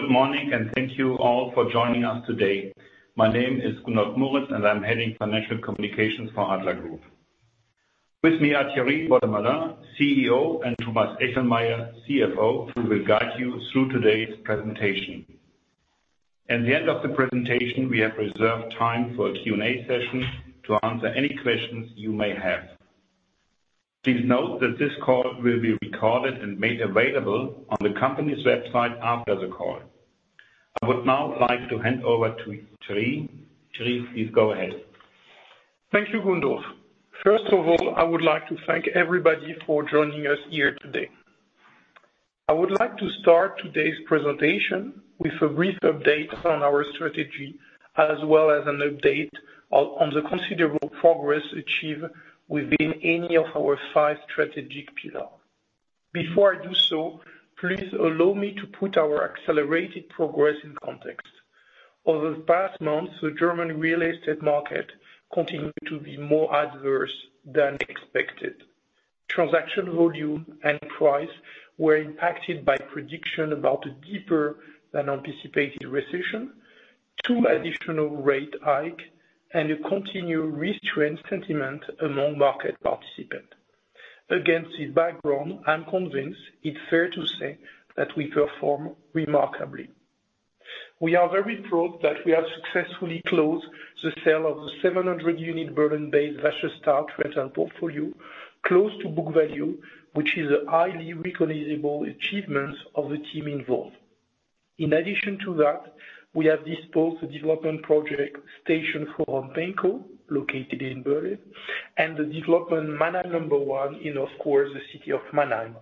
Good morning, and thank you all for joining us today. My name is Gundolf Moritz, and I'm heading Financial Communications for Adler Group. With me are Thierry Beaudemoulin, CEO, and Thomas Echelmeyer, CFO, who will guide you through today's presentation. At the end of the presentation, we have reserved time for a Q&A session to answer any questions you may have. Please note that this call will be recorded and made available on the company's website after the call. I would now like to hand over to Thierry. Thierry, please go ahead. Thank you, Gundolf. First of all, I would like to thank everybody for joining us here today. I would like to start today's presentation with a brief update on our strategy, as well as an update on the considerable progress achieved within any of our five strategic pillars. Before I do so, please allow me to put our accelerated progress in context. Over the past months, the German real estate market continued to be more adverse than expected. Transaction volume and price were impacted by prediction about a deeper than anticipated recession, two additional rate hike, and a continued restrained sentiment among market participants. Against this background, I'm convinced it's fair to say that we perform remarkably. We are very proud that we have successfully closed the sale of the 700-unit Berlin-based Wasserstadt rental portfolio, close to book value, which is a highly recognizable achievement of the team involved. In addition to that, we have disposed the development project, Station Forum Pankow, located in Berlin, and the development Mannheim No.1, of course, the city of Mannheim.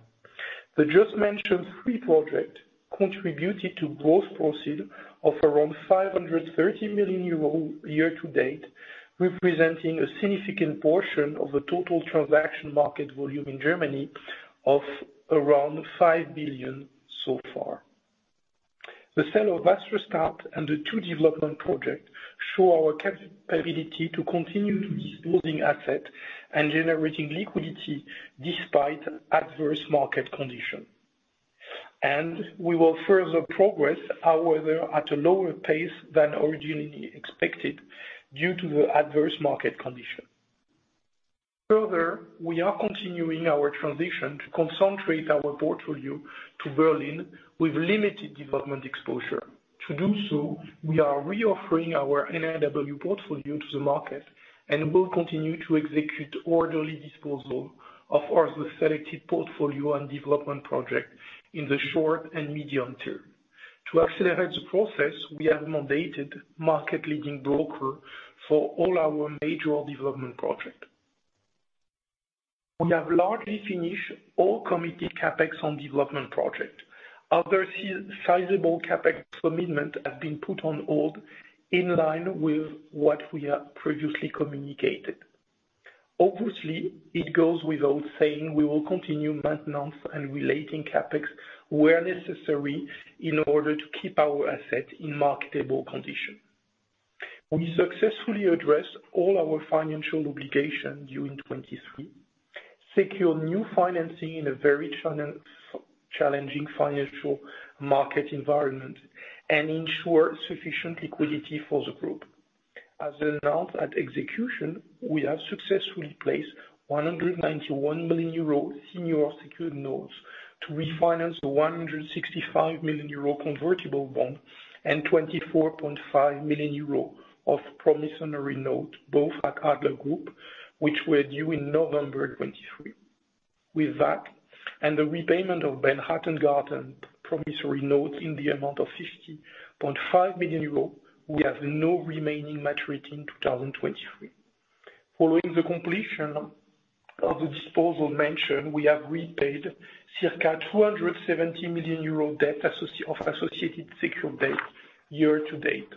The just mentioned three projects contributed to gross proceeds of around 530 million euros year to date, representing a significant portion of the total transaction market volume in Germany of around 5 billion so far. The sale of Wasserstadt and the two development projects show our capability to continue disposing assets and generating liquidity despite adverse market conditions. We will further progress, however, at a lower pace than originally expected, due to the adverse market conditions. Further, we are continuing our transition to concentrate our portfolio to Berlin with limited development exposure. To do so, we are reoffering our NRW portfolio to the market and will continue to execute orderly disposal of our selected portfolio and development project in the short and medium term. To accelerate the process, we have mandated market-leading broker for all our major development project. We have largely finished all committed CapEx on development project. Other sizable CapEx commitment have been put on hold, in line with what we have previously communicated. Obviously, it goes without saying, we will continue maintenance and relating CapEx where necessary in order to keep our assets in marketable condition. We successfully addressed all our financial obligations during 2023, secure new financing in a very challenging financial market environment, and ensure sufficient liquidity for the group. As announced at execution, we have successfully placed 191 million euro senior secured notes to refinance the 165 million euro convertible bond and 24.5 million euro of promissory note, both at Adler Group, which were due in November 2023. With that, and the repayment of Benrather Gärten promissory note in the amount of 50.5 million euros, we have no remaining maturity in 2023. Following the completion of the disposal mentioned, we have repaid circa 270 million euro of associated secured debt year to date.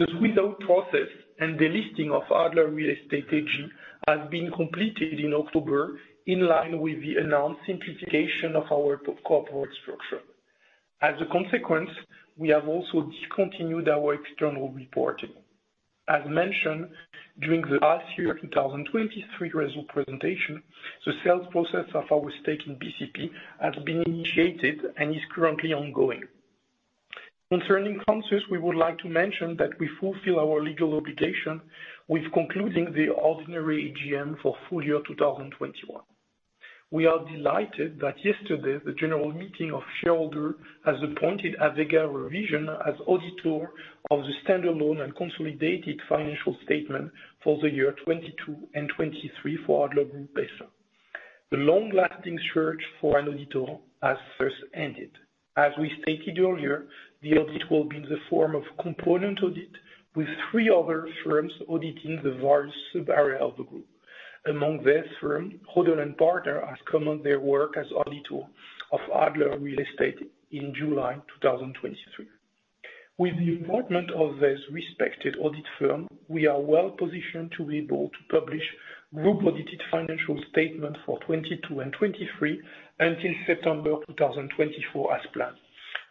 The squeeze-out process and delisting of ADLER Real Estate AG has been completed in October, in line with the announced simplification of our corporate structure. As a consequence, we have also discontinued our external reporting. As mentioned, during the last year, 2023 result presentation, the sales process of our stake in BCP has been initiated and is currently ongoing. Concerning Consus, we would like to mention that we fulfill our legal obligation with concluding the ordinary AGM for full year 2021. We are delighted that yesterday, the general meeting of shareholders has appointed AVEGA Revision as auditor of the standalone and consolidated financial statement for the year 2022 and 2023 for Adler Group S.A. The long-lasting search for an auditor has first ended. As we stated earlier, the audit will be in the form of component audit, with three other firms auditing the various subarea of the group. Among these firm, Rödl & Partner, has commented their work as auditor of Adler Real Estate in July 2023. With the appointment of this respected audit firm, we are well positioned to be able to publish group audited financial statement for 2022 and 2023 until September 2024 as planned.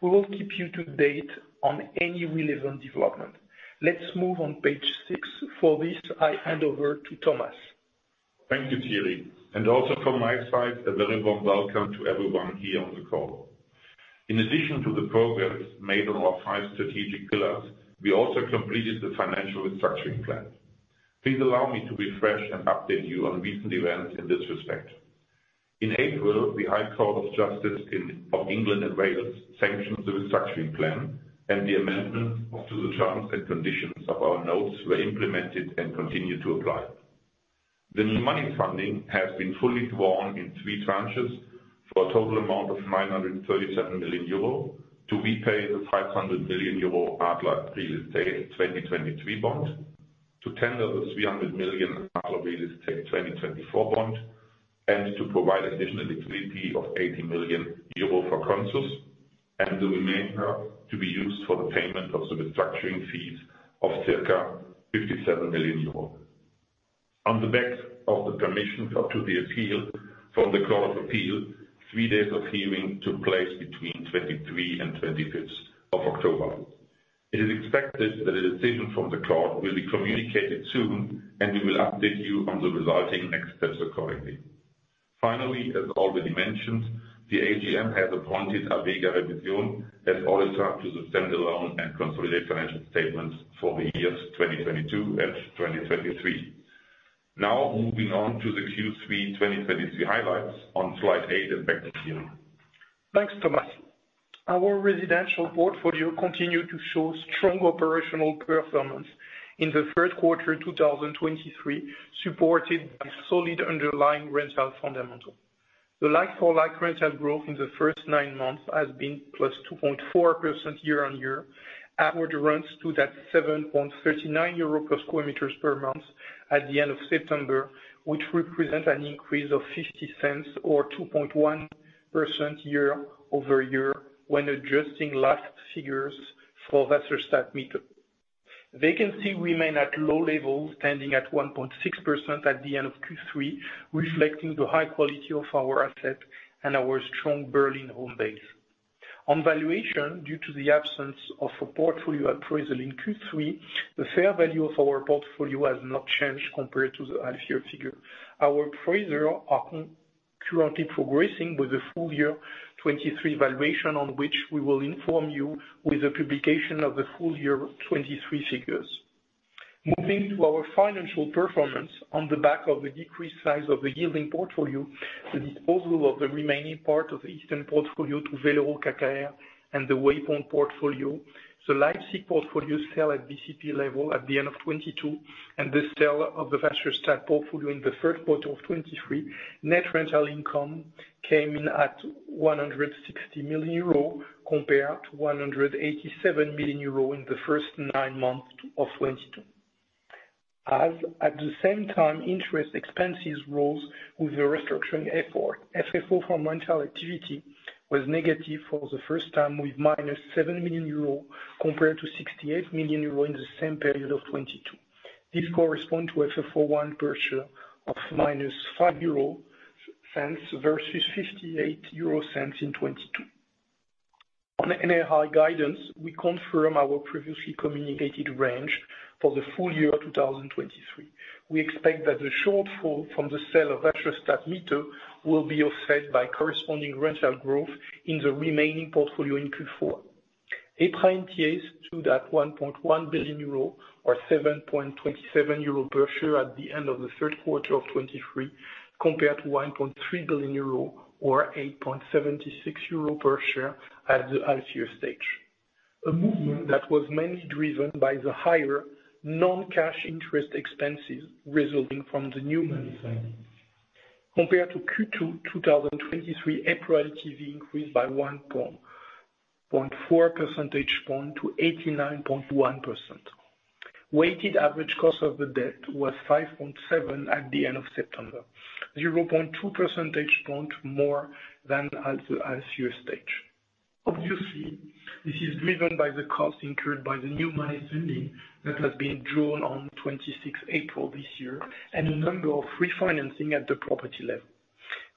We will keep you up to date on any relevant development. Let's move on page 6. For this, I hand over to Thomas. Thank you, Thierry. Also from my side, a very warm welcome to everyone here on the call. In addition to the progress made on our five strategic pillars, we also completed the financial restructuring plan. Please allow me to refresh and update you on recent events in this respect. In April, the High Court of Justice of England and Wales sanctioned the restructuring plan, and the amendment of the terms and conditions of our notes were implemented and continue to apply. The new money funding has been fully drawn in three tranches for a total amount of 937 million euro, to repay the 500 million euro ADLER Real Estate 2023 bond, to tender the 300 million ADLER Real Estate 2024 bond, and to provide additional liquidity of 80 million euro for Consus, and the remainder to be used for the payment of the restructuring fees of circa 57 million euros. On the back of the permission for to the appeal from the Court of Appeal, three days of hearing took place between 23 and 25 of October. It is expected that a decision from the court will be communicated soon, and we will update you on the resulting expenses accordingly. Finally, as already mentioned, the AGM has appointed AVEGA Revision as auditor to the standalone and consolidated financial statements for the years 2022 and 2023. Now, moving on to the Q3 2023 highlights on slide 8. Back to you. Thanks, Thomas. Our residential portfolio continued to show strong operational performance in the third quarter, 2023, supported by solid underlying rental fundamentals. The like-for-like rental growth in the first nine months has been +2.4% year-over-year. Average rents stood at 7.39 euro per sq m per month at the end of September, which represent an increase of 0.50 EUR or 2.1% year-over-year when adjusting last figures for Wasserstadt Mitte. Vacancy remain at low levels, standing at 1.6% at the end of Q3, reflecting the high quality of our asset and our strong Berlin home base. On valuation, due to the absence of a portfolio appraisal in Q3, the fair value of our portfolio has not changed compared to the half-year figure. Our appraisers are currently progressing with the full year 2023 valuation, on which we will inform you with the publication of the full year 2023 figures. Moving to our financial performance, on the back of the decreased size of the yielding portfolio, the disposal of the remaining part of the eastern portfolio to Velero KKR, and the Waypoint Portfolio, the Leipzig portfolio sell at BCP level at the end of 2022, and the sale of the Wasserstadt portfolio in the first quarter of 2023. Net rental income came in at 160 million euro, compared to 187 million euro in the first nine months of 2022. As at the same time, interest expenses rose with the restructuring effort. FFO from rental activity was negative for the first time, with -7 million euro, compared to 68 million euro in the same period of 2022. This corresponds to FFO of -0.05 per share versus EUR 0.58 in 2022. On the NI guidance, we confirm our previously communicated range for the full year of 2023. We expect that the shortfall from the sale of Wasserstadt Mitte will be offset by corresponding rental growth in the remaining portfolio in Q4. EPS stood at 1.1 billion euro, or 7.27 euro per share, at the end of the third quarter of 2023, compared to 1.3 billion euro, or 8.76 euro per share, at the half-year stage. A movement that was mainly driven by the higher non-cash interest expenses resulting from the new money funding. Compared to Q2 2023, APR activity increased by 1.4 percentage points to 89.1%. Weighted average cost of the debt was 5.7 at the end of September, 0.2 percentage point more than at the half-year stage. Obviously, this is driven by the costs incurred by the new money funding that has been drawn on 26th April this year, and a number of refinancing at the property level.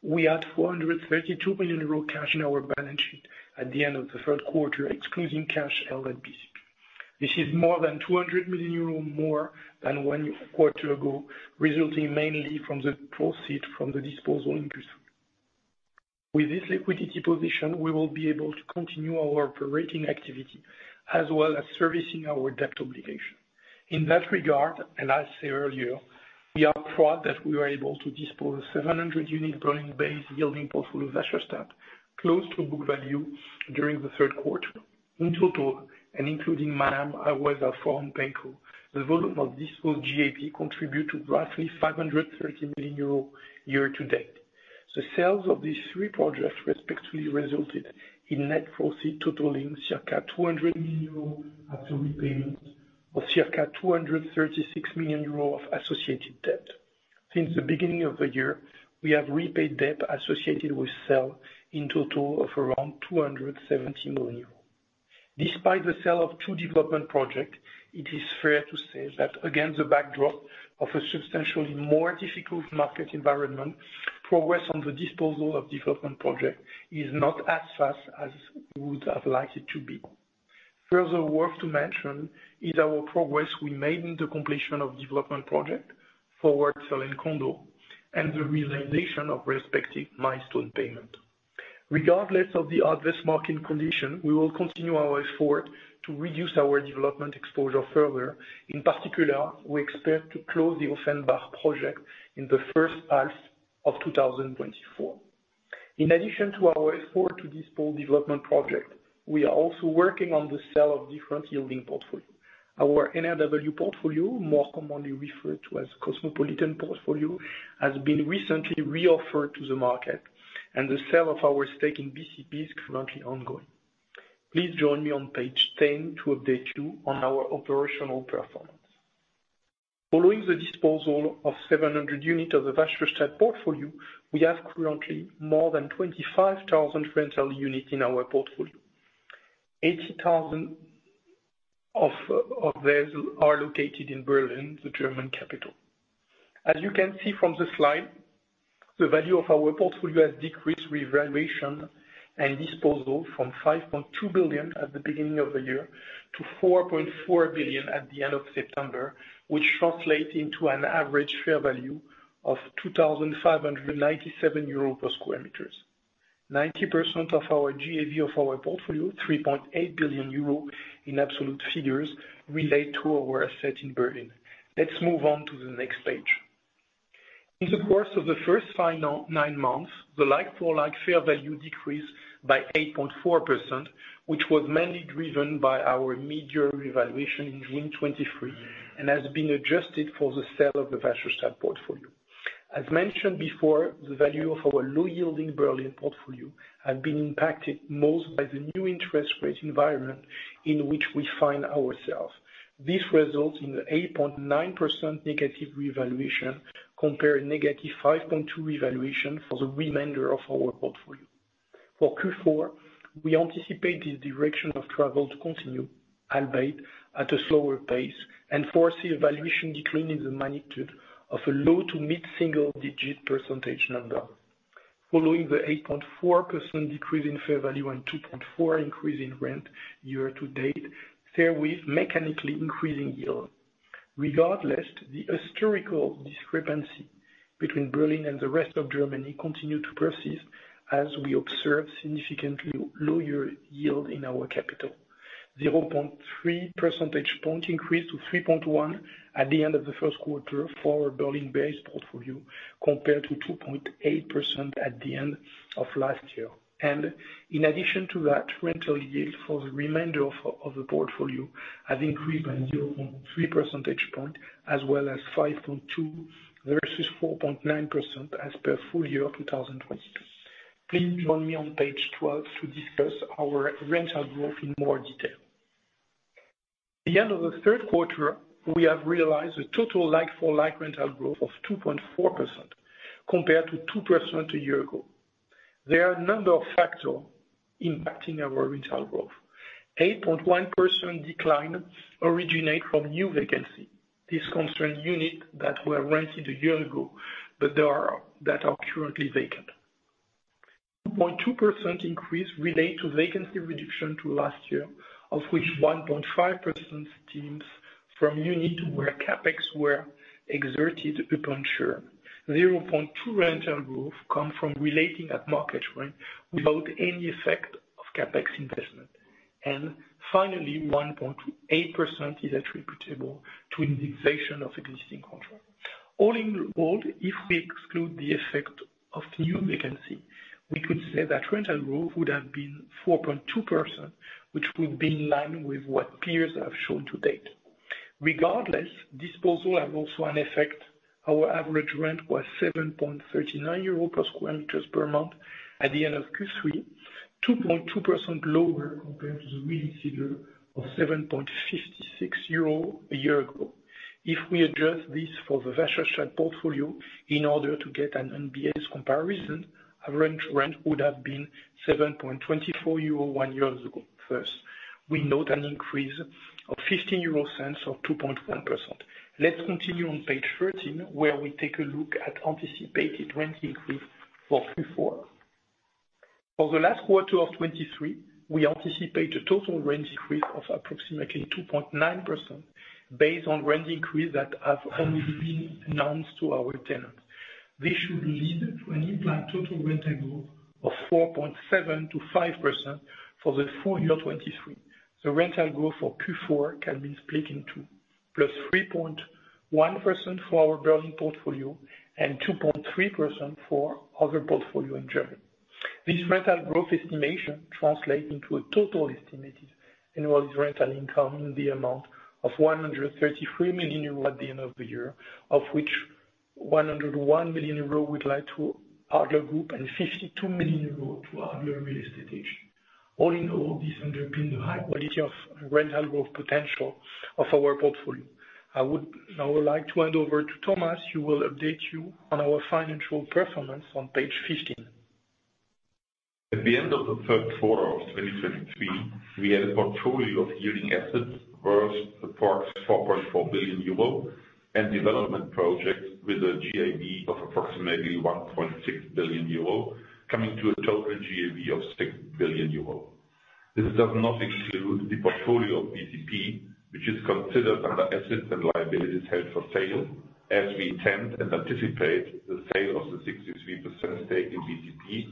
We had 432 million euro cash in our balance sheet at the end of the third quarter, excluding cash held at BCP. This is more than 200 million euros more than one quarter ago, resulting mainly from the proceeds from the disposal in Q4. With this liquidity position, we will be able to continue our operating activity, as well as servicing our debt obligation. In that regard, and as said earlier, we are proud that we were able to dispose of 700-unit Berlin-based yielding portfolio of Wasserstadt, close to book value, during the third quarter. In total, and including Station Forum Pankow, the volume of disposed GAV contribute to roughly 530 million euro year to date. The sales of these three projects respectively resulted in net proceeds totaling circa 200 million euros after repayment of circa 236 million euros of associated debt. Since the beginning of the year, we have repaid debt associated with sales in total of around 270 million euros. Despite the sale of two development projects, it is fair to say that against the backdrop of a substantially more difficult market environment, progress on the disposal of development project is not as fast as we would have liked it to be. Further worth to mention is our progress we made in the completion of development project for forward sale and condo, and the realization of respective milestone payment. Regardless of the adverse market condition, we will continue our effort to reduce our development exposure further. In particular, we expect to close the Offenbach project in the first half of 2024. In addition to our effort to dispose development project, we are also working on the sale of different yielding portfolio. Our NRW portfolio, more commonly referred to as Cosmopolitan portfolio, has been recently reoffered to the market, and the sale of our stake in BCP is currently ongoing. Please join me on page 10 to update you on our operational performance. Following the disposal of 700 units of the Wasserstadt portfolio, we have currently more than 25,000 rental units in our portfolio. 80,000 of those are located in Berlin, the German capital. As you can see from the slide, the value of our portfolio has decreased with valuation and disposal from 5.2 billion at the beginning of the year to 4.4 billion at the end of September, which translates into an average fair value of 2,597 euros per sq m. 90% of our GAV of our portfolio, 3.8 billion euros in absolute figures, relate to our asset in Berlin. Let's move on to the next page. In the course of the first final nine months, the like-for-like fair value decreased by 8.4%, which was mainly driven by our midyear revaluation in June 2023, and has been adjusted for the sale of the Wasserstadt portfolio. As mentioned before, the value of our low-yielding Berlin portfolio has been impacted most by the new interest rate environment in which we find ourselves. This results in an 8.9% negative revaluation compared to -5.2% revaluation for the remainder of our portfolio. For Q4, we anticipate this direction of travel to continue, albeit at a slower pace, and foresee a valuation decline in the magnitude of a low- to mid-single-digit percentage number. Following the 8.4% decrease in fair value and 2.4% increase in rent year to date, fair with mechanically increasing yield. Regardless, the historical discrepancy between Berlin and the rest of Germany continue to persist as we observe significantly lower yield in our capital. 0.3 percentage point increase to 3.1% at the end of the first quarter for our Berlin-based portfolio, compared to 2.8% at the end of last year. And in addition to that, rental yield for the remainder of, of the portfolio has increased by 0.3 percentage point, as well as 5.2% versus 4.9% as per full year 2022. Please join me on page 12 to discuss our rental growth in more detail. At the end of the third quarter, we have realized a total like-for-like rental growth of 2.4% compared to 2% a year ago. There are a number of factors impacting our rental growth. 8.1% decline originates from new vacancy. This concerns units that were rented a year ago, but that are currently vacant. 1.2% increase relates to vacancy reduction from last year, of which 1.5% stems from units where CapEx were exerted upon them. 0.2% rental growth comes from re-letting at market rent without any effect of CapEx investment. And finally, 1.8% is attributable to the inflation of existing contracts. All in all, if we exclude the effect of new vacancy, we could say that rental growth would have been 4.2%, which would be in line with what peers have shown to date. Regardless, disposals have also an effect. Our average rent was 7.39 euros per square meter per month at the end of Q3, 2.2% lower compared to the real figure of 7.56 euro a year ago. If we adjust this for the Wasserstadt portfolio in order to get an MBS comparison, average rent would have been 7.24 euro one year ago. First, we note an increase of 0.15 EUR, or 2.1%. Let's continue on page 13, where we take a look at anticipated rent increase for Q4. For the last quarter of 2023, we anticipate a total rent increase of approximately 2.9% based on rent increases that have only been announced to our tenants. This should lead to an implied total rental growth of 4.7%-5% for the full year 2023. The rental growth for Q4 can be split in two, plus 3.1% for our Berlin portfolio and 2.3% for other portfolio in Germany. This rental growth estimation translates into a total estimated annual rental income in the amount of 133 million euros at the end of the year, of which 101 million euros would accrue to Adler Group and 52 million euros to Adler Real Estate AG. All in all, this underpins the high quality of rental growth potential of our portfolio. I would like to hand over to Thomas, who will update you on our financial performance on page 15. At the end of the third quarter of 2023, we had a portfolio of yielding assets worth approximately 4.4 billion euro and development projects with a GAV of approximately 1.6 billion euro, coming to a total GAV of 6 billion euro. This does not include the portfolio of BCP, which is considered under assets and liabilities held for sale, as we intend and anticipate the sale of the 63% stake in BCP,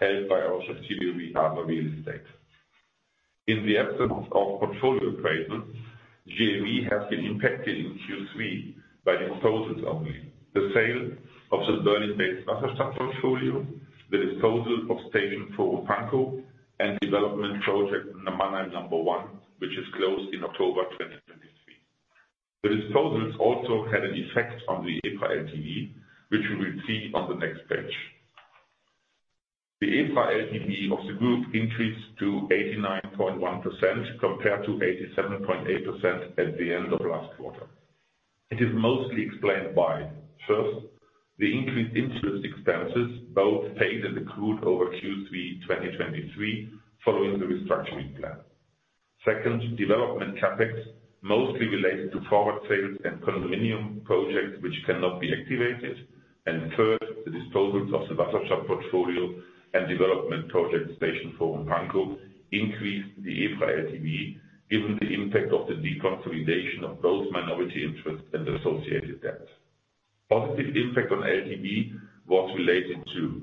held by our subsidiary Adler Real Estate. In the absence of portfolio appraisal, GAV has been impacted in Q3 by disposals only. The sale of the Berlin-based portfolio, the disposal of Station Forum Pankow, and development project Mannheim Number One, which is closed in October 2023. The disposals also had an effect on the EPRA LTV, which you will see on the next page. The EPRA LTV of the group increased to 89.1%, compared to 87.8% at the end of last quarter. It is mostly explained by, first, the increased interest expenses, both paid and accrued over Q3 2023 following the restructuring plan. Second, development CapEx, mostly related to forward sales and condominium projects, which cannot be activated. And third, the disposals of the portfolio and development project Station Forum Pankow increased the EPRA LTV, given the impact of the deconsolidation of both minority interests and associated debt. Positive impact on LTV was related to,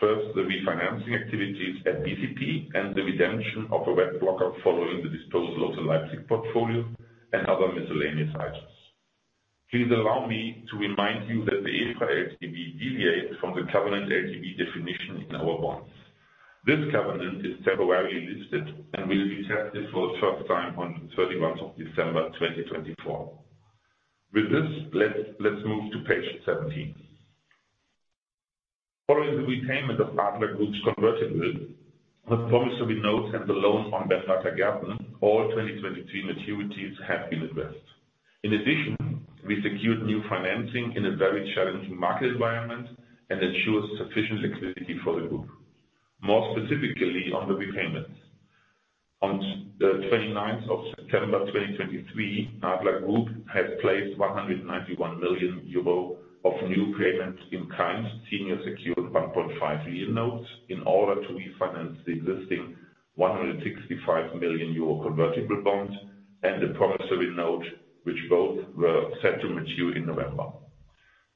first, the refinancing activities at BCP and the redemption of a debt blocker following the disposal of the Leipzig portfolio and other miscellaneous items. Please allow me to remind you that the EPRA LTV deviates from the covenant LTV definition in our bonds. This covenant is temporarily listed and will be tested for the first time on the thirty-first of December, 2024. With this, let's move to page 17. Following the repayment of Adler Group's convertible, the promissory notes and the loan on Benrather Gärten, all 2023 maturities have been addressed. In addition, we secured new financing in a very challenging market environment and ensured sufficient liquidity for the group. More specifically on the repayments. On the twenty-ninth of September, 2023, Adler Group had placed 191 million euro of new payment-in-kind, senior secured 1.5 lien notes, in order to refinance the existing 165 million euro convertible bonds and the promissory note, which both were set to mature in November.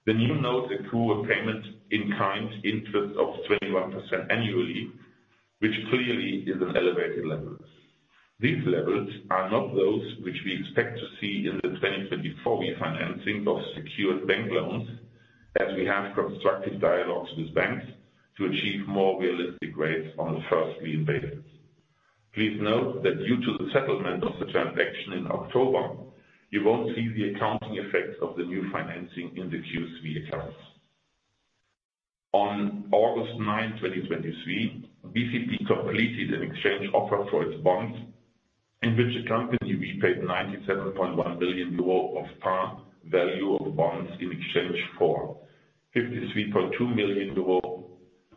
The new note include payment-in-kind interest of 21% annually, which clearly is an elevated level. These levels are not those which we expect to see in the 2024 refinancing of secured bank loans, as we have constructive dialogues with banks to achieve more realistic rates on a first lien basis. Please note that due to the settlement of the transaction in October, you won't see the accounting effects of the new financing in the Q3 accounts. On August 9, 2023, BCP completed an exchange offer for its bonds, in which the company repaid 97.1 billion euro of par value of bonds in exchange for 53.2 million euro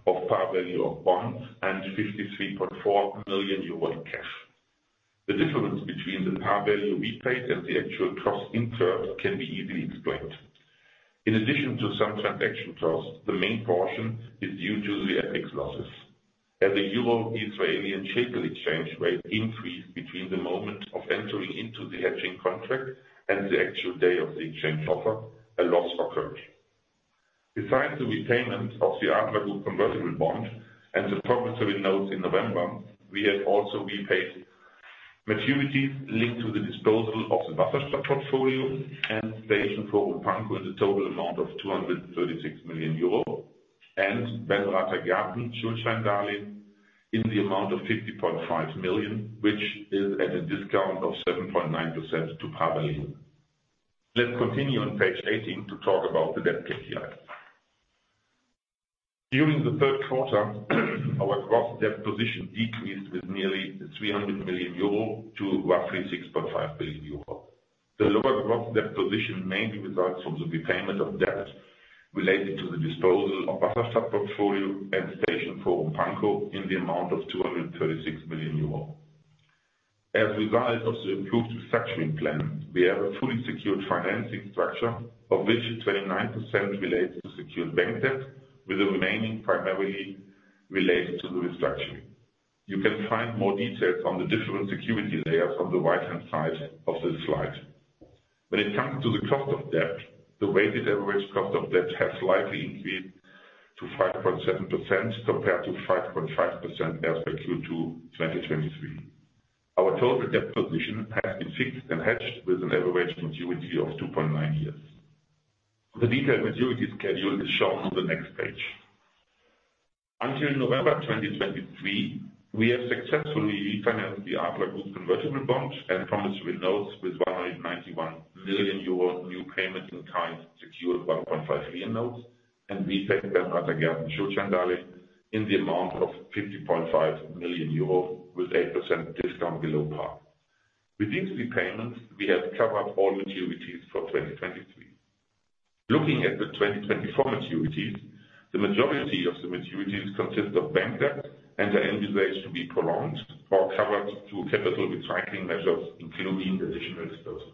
of par value of bonds and 53.4 million euro in cash. The difference between the par value repaid and the actual cost incurred can be easily explained. In addition to some transaction costs, the main portion is due to the FX losses. As the Euro Israeli and shekel exchange rate increased between the moment of entering into the hedging contract and the actual day of the exchange offer, a loss occurred. Besides the repayment of the Adler Group convertible bond and the promissory notes in November, we have also repaid maturities linked to the disposal of the portfolio and Station Forum Pankow in the total amount of 236 million euro, and Benrather Gärten in the amount of 50.5 million, which is at a discount of 7.9% to par value. Let's continue on page 18 to talk about the debt KPI. During the third quarter, our gross debt position decreased with nearly 300 million euro to roughly 6.5 billion euro. The lower gross debt position mainly results from the repayment of debt related to the disposal of portfolio and Station Forum Pankow in the amount of 236 million euro. As a result of the improved restructuring plan, we have a fully secured financing structure, of which 29% relates to secured bank debt, with the remaining primarily related to the restructuring. You can find more details on the different security layers on the right-hand side of this slide. When it comes to the cost of debt, the weighted average cost of debt has slightly increased to 5.7%, compared to 5.5% as per Q2 2023. Our total debt position has been fixed and hedged with an average maturity of 2.9 years. The detailed maturity schedule is shown on the next page. Until November 2023, we have successfully refinanced the Adler Group convertible bonds and promissory notes with 191 million euro new payment-in-kind, secured by 1.5 lien notes, and repaid in the amount of 50.5 million euro, with 8% discount below par. With these repayments, we have covered all maturities for 2023. Looking at the 2024 maturities, the majority of the maturities consist of bank debt and are either to be prolonged or covered through capital recycling measures, including additional disposals.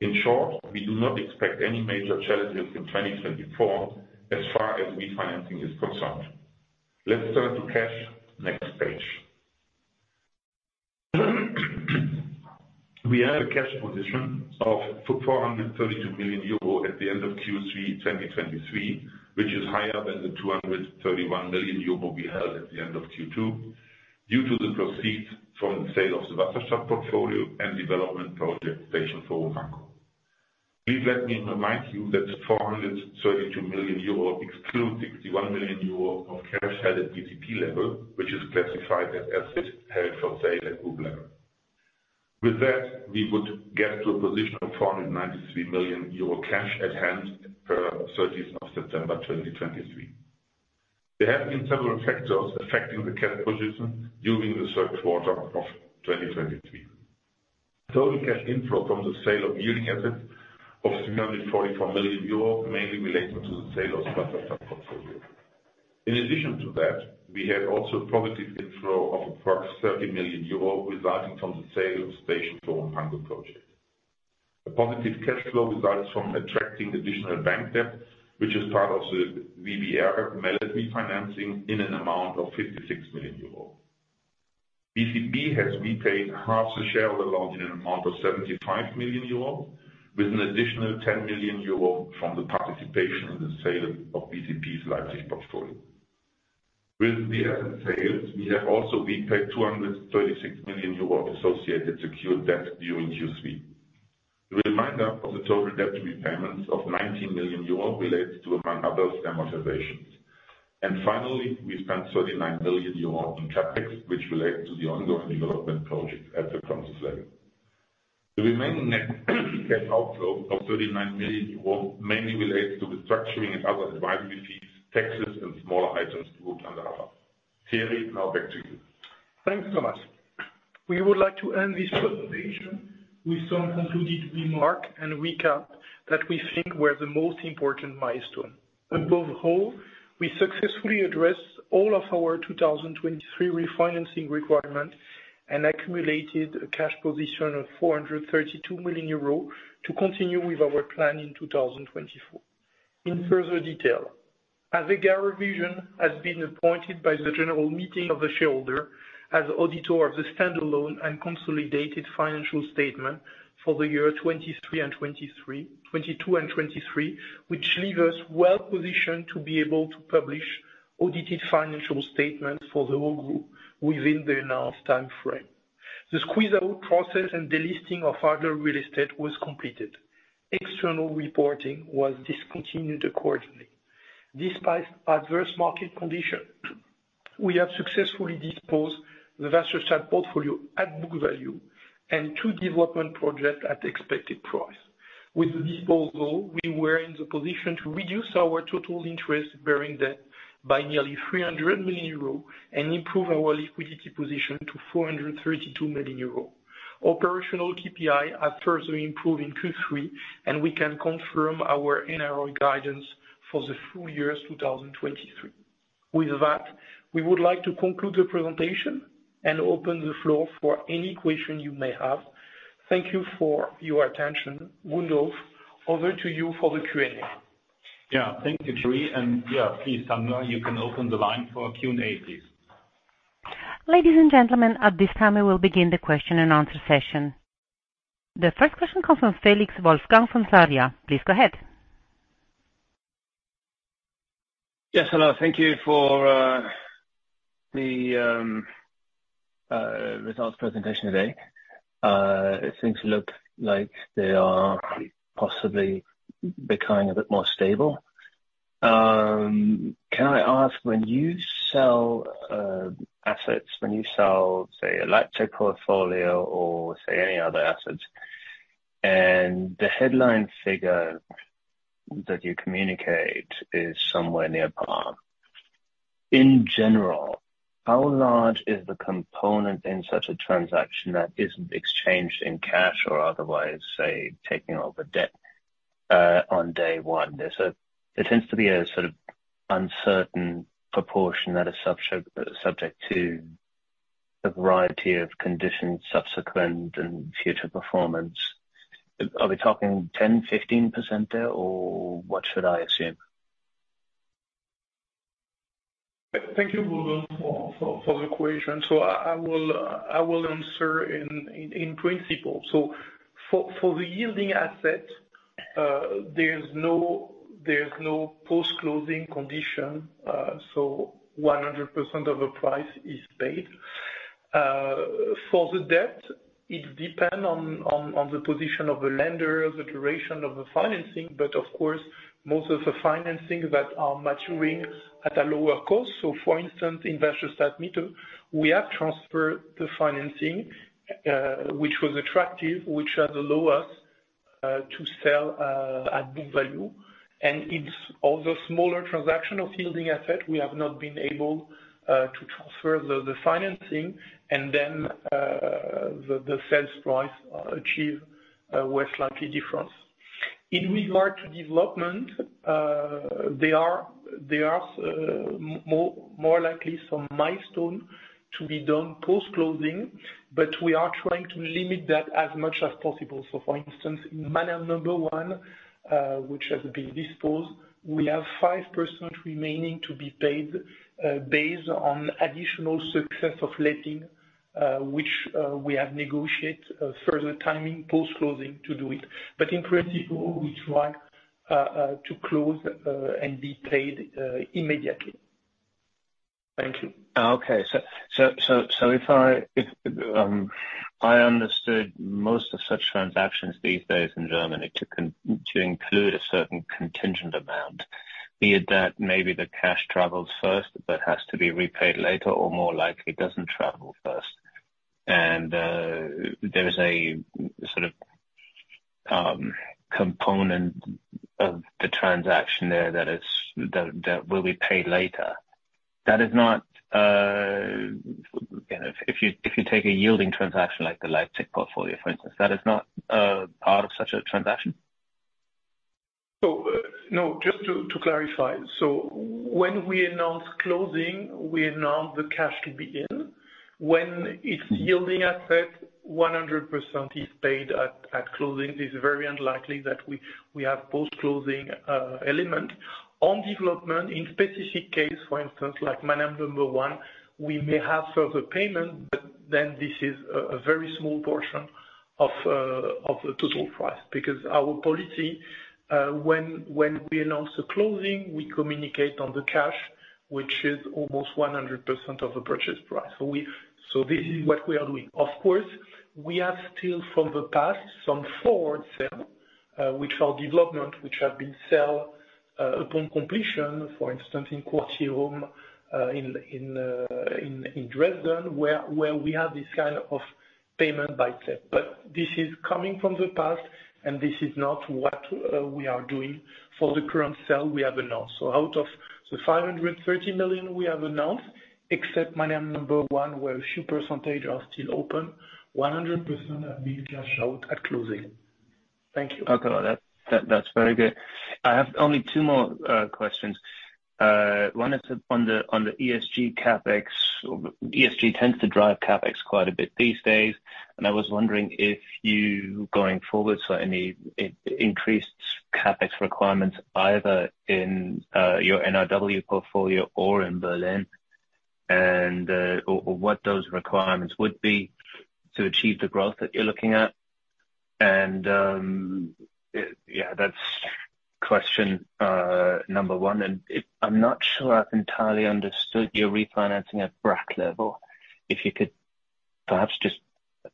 In short, we do not expect any major challenges in 2024 as far as refinancing is concerned. Let's turn to cash. Next page. We have a cash position of 432 million euro at the end of Q3 2023, which is higher than the 231 million euro we had at the end of Q2, due to the proceeds from the sale of the Wasserstadt portfolio and development project Station Four, Frankfurt. Please let me remind you that the 432 million euro excludes 61 million euro of cash held at BCP level, which is classified as asset held for sale at group level. With that, we would get to a position of 493 million euro cash at hand per 30 September 2023. There have been several factors affecting the cash position during the third quarter of 2023. Total cash inflow from the sale of yielding assets of 344 million euro, mainly related to the sale of Wasserstadt portfolio. In addition to that, we had also a positive inflow of approx 30 million euros, resulting from the sale of Station Forum, Frankfurt project. A positive cash flow results from attracting additional bank debt, which is part of the VBR melee refinancing in an amount of 56 million euro. BCP has repaid half the share of the loan in an amount of 75 million euro, with an additional 10 million euro from the participation in the sale of BCP's Leipzig portfolio. With the asset sales, we have also repaid 236 million euro associated secured debt during Q3. The remainder of the total debt repayments of 19 million euros relates to, among others, amortizations. And finally, we spent 39 million euros in CapEx, which relates to the ongoing development projects at the Consus level. The remaining net cash outflow of 39 million euros mainly relates to restructuring and other advisory fees, taxes, and smaller items to look under half. Thierry, now back to you. Thanks, Thomas. We would like to end this presentation with some concluded remark and recap that we think were the most important milestone. Above all, we successfully addressed all of our 2023 refinancing requirements and accumulated a cash position of 432 million euros to continue with our plan in 2024. In further detail, AVEGA Revision has been appointed by the General Meeting of the shareholder as auditor of the standalone and consolidated financial statement for the year twenty-two and twenty-three, which leave us well positioned to be able to publish audited financial statements for the whole group within the announced time frame. The squeeze out process and delisting of Adler Real Estate was completed. External reporting was discontinued accordingly. Despite adverse market conditions, we have successfully disposed the Wasserstadt portfolio at book value and two development projects at the expected price. With the disposal, we were in the position to reduce our total interest-bearing debt by nearly 300 million euros and improve our liquidity position to 432 million euros. Operational KPI have further improved in Q3, and we can confirm our NRA guidance for the full year 2023. With that, we would like to conclude the presentation and open the floor for any question you may have. Thank you for your attention. Rudolf, over to you for the Q&A. Yeah. Thank you, Thierry. And, yeah, please, Sandra, you can open the line for Q&A, please. Ladies and gentlemen, at this time, we will begin the question and answer session. The first question comes from Felix Wolfgang from Sarria. Please go ahead. Yes, hello. Thank you for the results presentation today. It seems to look like they are possibly becoming a bit more stable. Can I ask, when you sell assets, when you sell, say, an electric portfolio or, say, any other assets, and the headline figure that you communicate is somewhere near par? In general, how large is the component in such a transaction that isn't exchanged in cash or otherwise, say, taking over debt on day one? There tends to be a sort of uncertain proportion that is subject to a variety of conditions, subsequent and future performance. Are we talking 10, 15% there, or what should I assume? Thank you, Rudolf, for the question. So I will answer in principle. So for the yielding asset, there's no post-closing condition, so 100% of the price is paid. For the debt, it depend on the position of the lender, the duration of the financing, but of course, most of the financing that are maturing at a lower cost. So for instance, investor start meter, we have transferred the financing, which was attractive, which are the lowest, to sell at book value. Although smaller transaction of yielding asset, we have not been able to transfer the financing and then the sales price achieve were slightly different. In regard to development, there are more likely some milestone to be done post-closing, but we are trying to limit that as much as possible. So for instance, in Mannheim Number One, which has been disposed, we have 5% remaining to be paid, based on additional success of letting, which we have negotiate a further timing post-closing to do it. But in principle, we try to close and be paid immediately. Thank you. Okay. So if I understood most of such transactions these days in Germany to include a certain contingent amount, be it that maybe the cash travels first, but has to be repaid later, or more likely, doesn't travel first. And there is a sort of component of the transaction there that will be paid later. That is not, If you take a yielding transaction, like the Waypoint portfolio, for instance, that is not part of such a transaction? So, no, just to clarify. So when we announce closing, we announce the cash to be in. When it's yielding asset, 100% is paid at closing. It's very unlikely that we have post-closing element. On development, in specific case, for instance, like Mannheim Number One, we may have further payment, but then this is a very small portion of the total price. Because our policy, when we announce the closing, we communicate on the cash, which is almost 100% of the purchase price. So we— So this is what we are doing. Of course, we are still from the past, some forward sale, which are development, which have been sold, upon completion, for instance, in Mannheim, in Dresden, where we have this kind of payment by check. But this is coming from the past, and this is not what we are doing for the current sale we have announced. So out of the 530 million we have announced, except number one, where a few percentage are still open, 100% have been cashed out at closing. Thank you. Okay. That's very good. I have only two more questions. One is on the ESG CapEx. ESG tends to drive CapEx quite a bit these days, and I was wondering if you, going forward, saw any increased CapEx requirements, either in your NRW portfolio or in Berlin, and or what those requirements would be to achieve the growth that you're looking at? And yeah, that's question number one. And if I'm not sure I've entirely understood your refinancing at BCP level, if you could perhaps just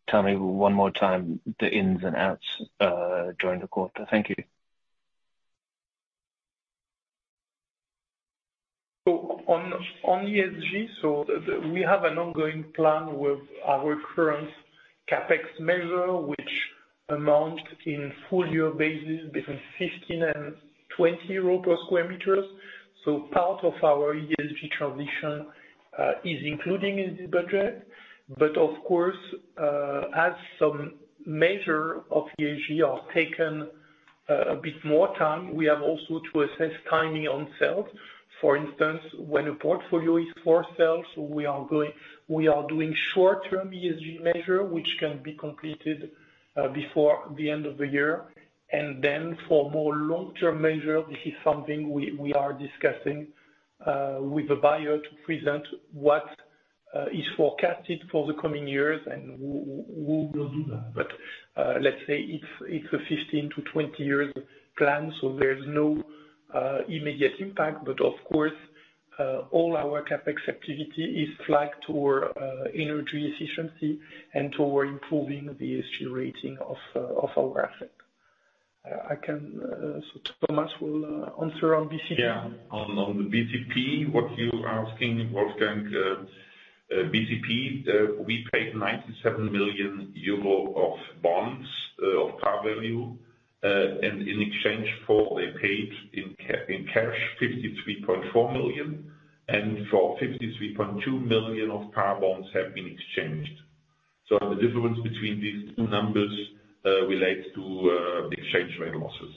tell me one more time the ins and outs during the quarter. Thank you. On ESG, we have an ongoing plan with our current CapEx measure, which amount in full year basis between 15 and 20 euros per square meters. Part of our ESG transition is including in the budget. But of course, as some measure of ESG are taken a bit more time, we have also to assess timing on sales. For instance, when a portfolio is for sale, we are doing short-term ESG measure, which can be completed before the end of the year. And then for more long-term measure, this is something we are discussing with the buyer to present what is forecasted for the coming years, and we will do that. But let's say it's a 15- to 20-year plan, so there's no immediate impact. But of course, all our CapEx activity is flagged toward energy efficiency and toward improving the ESG rating of our asset. So Thomas will answer on BCP. Yeah. On the BCP, what you are asking, Wolfgang, BCP, we paid 97 million euro of bonds of par value, and in exchange for they paid in cash 53.4 million, and for 53.2 million of par bonds have been exchanged. So the difference between these two numbers relates to the exchange rate losses.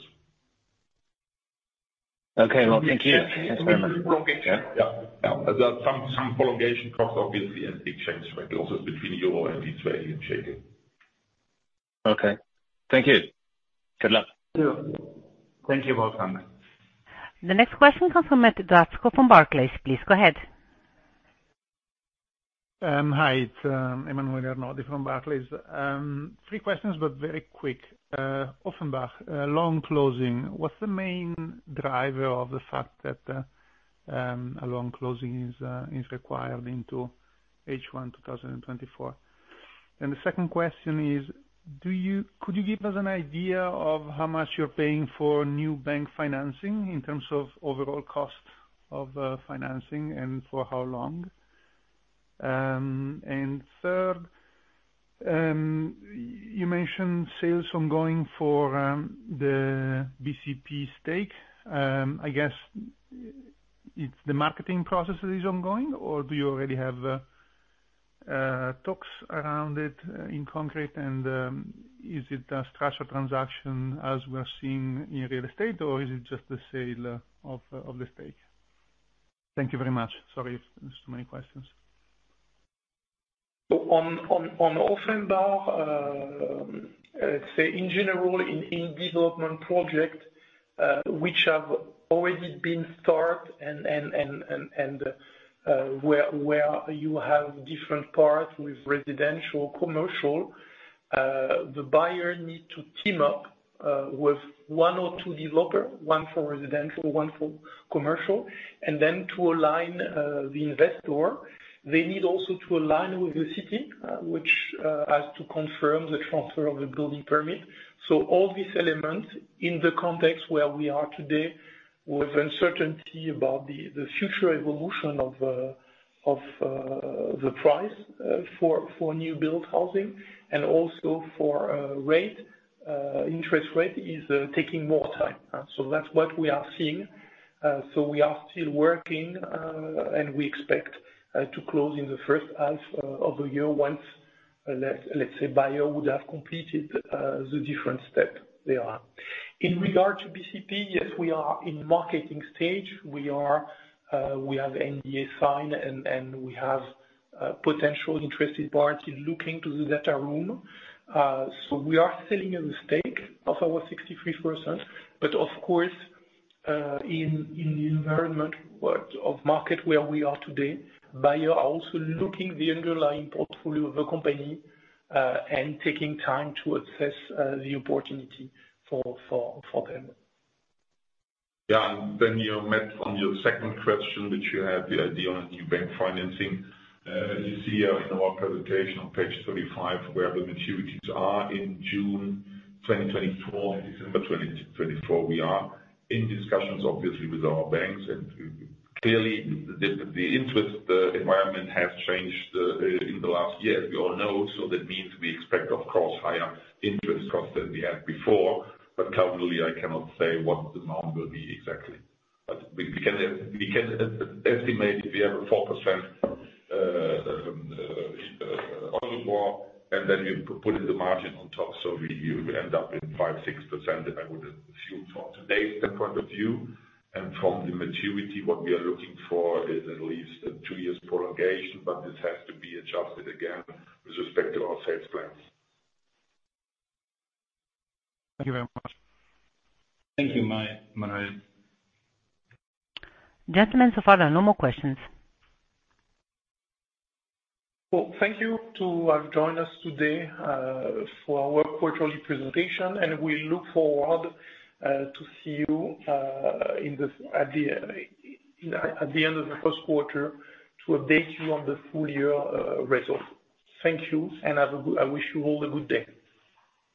Okay. Well, thank you. Yeah. Yeah. There are some prolongation costs, obviously, and the exchange rate also between euro and Israeli shekel. Okay. Thank you. Good luck. Thank you. Thank you, Wolfgang. The next question comes from Emmanuel Arnaud from Barclays. Please go ahead. Hi, it's Emmanuel Arnaud from Barclays. Three questions, but very quick. Offenbach, long closing, what's the main driver of the fact that a long closing is required into H1 2024? And the second question is: Could you give us an idea of how much you're paying for new bank financing in terms of overall cost of financing, and for how long? And third, you mentioned sales ongoing for the BCP stake. I guess it's the marketing process that is ongoing, or do you already have customers? Talks around it in concrete, and is it a structured transaction as we are seeing in real estate, or is it just the sale of the stake? Thank you very much. Sorry if it's too many questions. So on Offenbach, let's say in general, in development project, which have already been start and where you have different parts with residential, commercial, the buyer need to team up with one or two developer, one for residential, one for commercial, and then to align the investor. They need also to align with the city, which has to confirm the transfer of the building permit. So all these elements in the context where we are today, with uncertainty about the future evolution of the price for new build housing and also for interest rate, is taking more time. So that's what we are seeing. So we are still working, and we expect to close in the first half of the year once, let's say, buyer would have completed the different step they are. In regard to BCP, yes, we are in marketing stage. We have NDA signed, and we have potential interested parties looking to the data room. So we are selling a stake of our 63%, but of course, in the environment of the market where we are today, buyer are also looking the underlying portfolio of the company, and taking time to assess the opportunity for them. Yeah, and then, you, Matt, on your second question, which you have the idea on new bank financing, you see, in our presentation on page 35, where the maturities are in June 2024, December 2024. We are in discussions, obviously, with our banks, and clearly the interest environment has changed in the last year, as we all know. So that means we expect, of course, higher interest costs than we had before, but currently, I cannot say what the amount will be exactly. But we can estimate if we have a 4% or more, and then you put in the margin on top, so we end up in 5%-6%, I would assume, from today's point of view. From the maturity, what we are looking for is at least a two years prolongation, but this has to be adjusted again with respect to our sales plans. Thank you very much. Thank you, Mario. Gentlemen, so far, there are no more questions. Well, thank you to have joined us today for our quarterly presentation, and we look forward to see you at the end of the first quarter to update you on the full year results. Thank you, and have a good—I wish you all a good day.